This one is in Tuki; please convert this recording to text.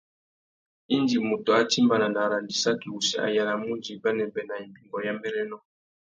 Indi mutu a timbāna nà arandissaki wussi, a yānamú udjï bênêbê nà imbîngô ya mbérénô.